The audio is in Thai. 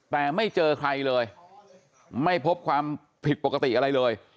แต่ไม่เจอใครเลยไม่พบความผิดปกติอะไรเลย